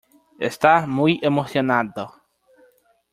Está muy emocionado .